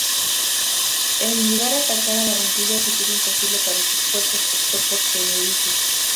En lugar de atacar a Barranquilla, objetivo imposible para sus fuerzas, optó por Tenerife.